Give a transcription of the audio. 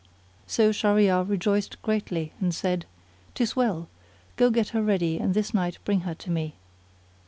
So Shahryar rejoiced greatly and said, "'Tis well; go get her ready and this night bring her to me."